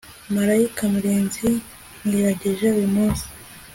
malayika murinzi nkwiragije uyu munsi